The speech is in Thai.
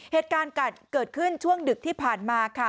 เหตุการณ์เกิดขึ้นช่วงดึกที่ผ่านมาค่ะ